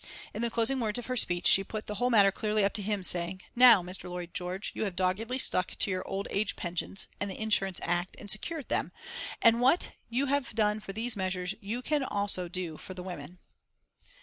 In the closing words of her speech she put the whole matter clearly up to him, saying: "Now, Mr. Lloyd George, you have doggedly stuck to your old age pensions, and the insurance act, and secured them, and what you have done for these measures you can do also for the women."